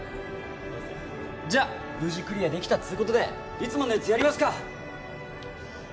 じゃあ無事クリアできたっつう事でいつものやつやりますか！